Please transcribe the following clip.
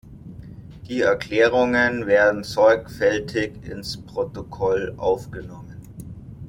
Die Erklärungen werden sorgfältig ins Protokoll aufgenommen.